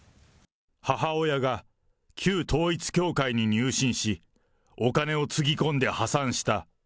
母親が旧統一教会に入信し、お金をつぎ込んで破産した。